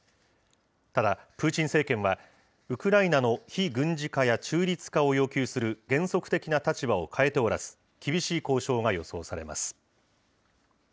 ただ、プーチン政権は、ウクライナの非軍事化や中立化を要求する原則的な立場を変えておらず、厳しい交渉が予想されます。